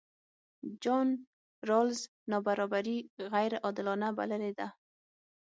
جان رالز نابرابري غیرعادلانه بللې ده.